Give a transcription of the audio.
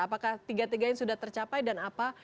apakah tiga tiga nya sudah tercapai dan apa